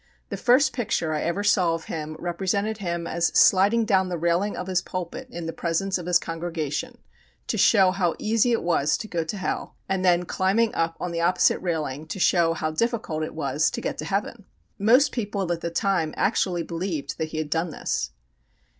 The first picture I ever saw of him represented him as sliding down the railing of his pulpit in the presence of his congregation, to show how easy it was to go to hell, and then climbing up on the opposite railing to show how difficult it was to get to heaven. Most people at the time actually believed that he had done this.